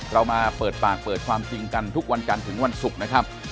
เรามาเปิดปากเปิดความจริงกันทุกวันจันทร์ถึงวันศุกร์นะครับ